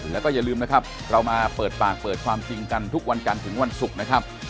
แล้วก็อย่าลืมนะครับเรามาเปิดปากเปิดความจริงกันทุกวันกันถึงวันศุกร์นะครับ